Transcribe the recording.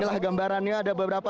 inilah gambarannya ada beberapa